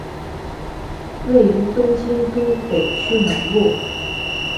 位于东京都北区南部。